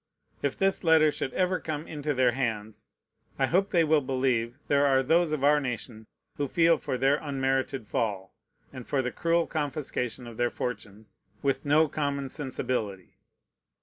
If this letter should ever come into their hands, I hope they will believe there are those of our nation who feel for their unmerited fall, and for the cruel confiscation of their fortunes, with no common sensibility.